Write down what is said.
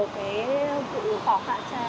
vụ khó khăn